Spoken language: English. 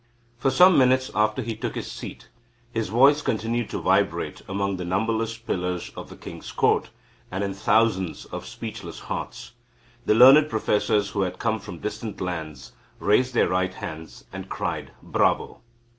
For some minutes after he took his seat his voice continued to vibrate among the numberless pillars of the king's court and in thousands of speechless hearts. The learned professors who had come from distant lands raised their right hands, and cried, Bravo!